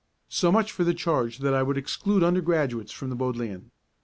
So much for the charge that I would exclude undergraduates from the Bodleian.